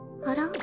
あら？